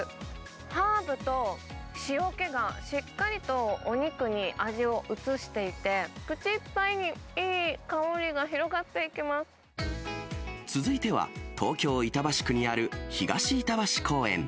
ハーブと塩気がしっかりとお肉に味を移していて、口いっぱいにい続ては、東京・板橋区にある東板橋公園。